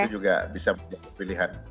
itu juga bisa pilihan